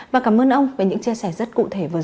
và cảm ơn ông về những chia sẻ rất cụ thể vừa rồi